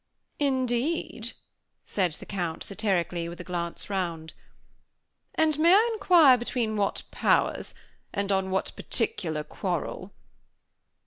"Indeed," said the Count, satirically, with a glance round. "And may I inquire between what powers, and on what particular quarrel?"